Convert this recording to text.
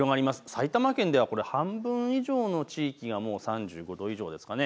埼玉県ではこれ半分以上の地域がもう３５度以上ですかね。